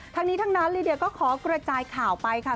ทั้งนี้ทั้งนั้นลีเดียก็ขอกระจายข่าวไปค่ะ